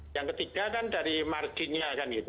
yang ketiga kan dari marginnya kan gitu